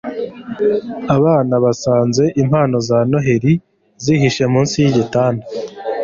Abana basanze impano za Noheri zihishe munsi yigitanda